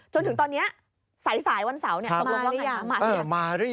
จนถึงตอนนี้สายวันเสาร์มาหรือยัง